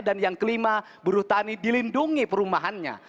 dan yang kelima buruh tani dilindungi perumahannya